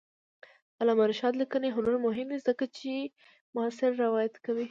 د علامه رشاد لیکنی هنر مهم دی ځکه چې معاصر روایت کوي.